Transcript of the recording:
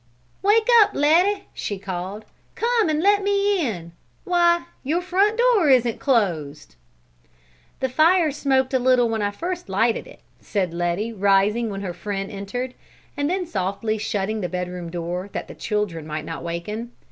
"Wake up, Letty!" she called. "Come and let me in! Why, your front door isn't closed!" "The fire smoked a little when I first lighted it," said Letty, rising when her friend entered, and then softly shutting the bedroom door that the children might not waken.